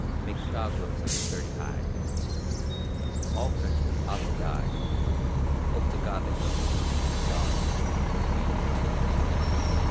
Make dog whips of his dirty hide. All Frenchmen ought to die. Hope to God they will. Starve. Freeze."